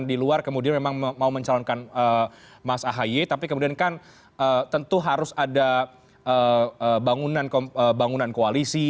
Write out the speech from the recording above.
di luar kemudian memang mau mencalonkan mas ahaye tapi kemudian kan tentu harus ada bangunan koalisi